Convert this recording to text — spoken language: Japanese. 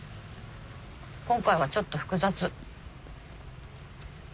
今回はちょっと複雑。